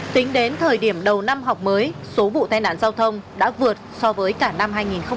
tính đến thời điểm đầu năm học mới số vụ tai nạn giao thông đã vượt so với cả năm hai nghìn một mươi chín